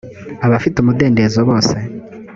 abafite umudendezo bose